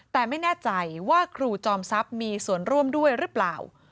แต่ไม่แน่ใจว่าครูจอมทรัพย์มีส่วนร่วมด้วยหรือเปล่า